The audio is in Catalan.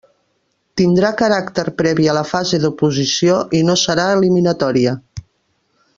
Tindrà caràcter previ a la fase d'oposició i no serà eliminatòria.